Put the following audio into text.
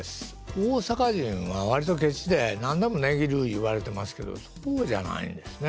大阪人は割とケチで何でも値切る言われてますけどそうじゃないんですね。